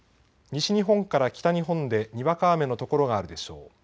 西日本から北日本でにわか雨の所があるでしょう。